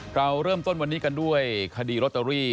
เราเริ่มต้นวันนี้กันด้วยคดีโรตเตอรี่